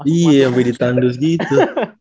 iya sampe ditandus gitu